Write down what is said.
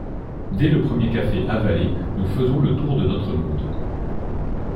Dès le premier café avalé, nous faisons le tour de notre monde.